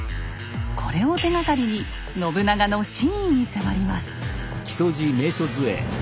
これを手がかりに信長の真意に迫ります。